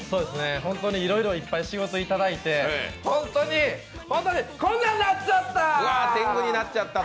本当にいろいろ仕事をいただいてこんなになっちゃった！